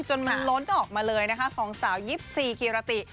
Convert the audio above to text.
จนมันล้นออกมาเลยนะคะของสาว๒๔กิรติ